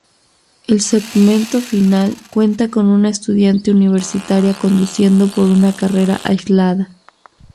El segmento final cuenta con una estudiante universitaria conduciendo por una carretera aislada.